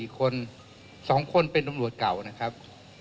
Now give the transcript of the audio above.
๔คน๒คนเป็นตำรวจเก่านะครับ